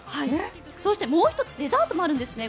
そしてもう１つデザートもあるんですね。